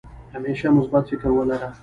همېشه مثبت فکر ولره